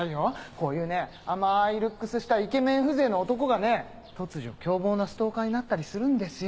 こういうね甘いルックスしたイケメン風情の男がね突如凶暴なストーカーになったりするんですよ。